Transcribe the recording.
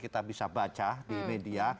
kita bisa baca di media